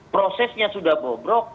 prosesnya sudah bobrok